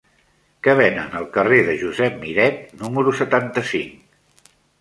Què venen al carrer de Josep Miret número setanta-cinc?